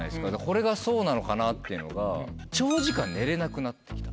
これがそうなのかなっていうのが長時間寝れなくなってきた。